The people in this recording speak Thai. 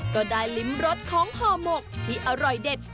ก็ได้ลิ้มรสของห่อหมกที่อร่อยเด็ด